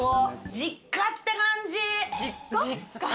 実家って感じ。